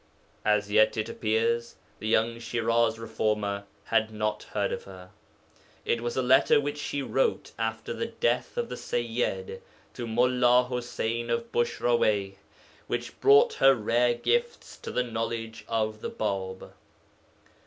As yet, it appears, the young Shiraz Reformer had not heard of her. It was a letter which she wrote after the death of the Sayyid to Mullā Ḥuseyn of Bushraweyh which brought her rare gifts to the knowledge of the Bāb.